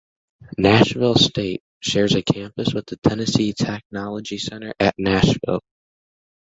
Nashville State shares a campus with the Tennessee Technology Center at Nashville.